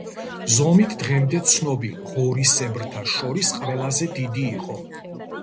ზომით დღემდე ცნობილ ღორისებრთა შორის ყველაზე დიდი იყო.